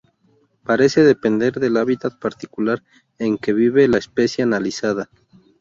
Parece depender del hábitat particular en que vive la especie analizada.